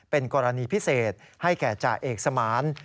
เป็นกรณีพิเศษให้แก่จ่าเอกสมาน